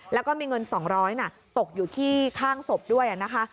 แล้วก็มีเงิน๒๐๐ตกอยู่ที่ข้างศพด้วยนะคะ